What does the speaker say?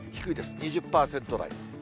２０％台。